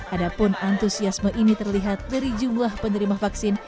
adapun antusiasme ini terlihat dari jumlah penerima vaksin